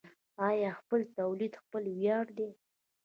آیا خپل تولید خپل ویاړ دی؟